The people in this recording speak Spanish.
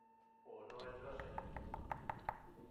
o no entras en el club.